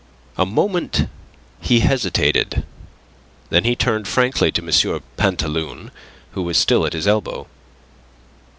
A moment he hesitated, then he turned frankly to M. Pantaloon, who was still at his elbow.